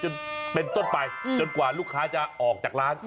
จนเป็นต้นไปจนกว่าลูกค้าจะออกจากร้าน